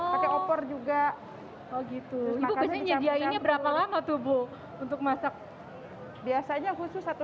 pakai opor juga gitu besarnya dia ini berapa lama tuh bu untuk masak biasanya khusus satu